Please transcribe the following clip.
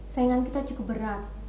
saingan kita cukup berat